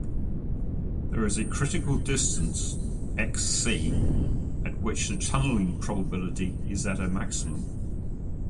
There is a critical distance, xc, at which the tunneling probability is a maximum.